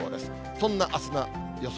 そんなあすの予想